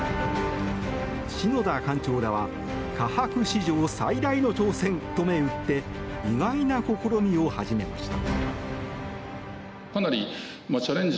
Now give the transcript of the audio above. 篠田館長らはかはく史上最大の挑戦と銘打って意外な試みを始めました。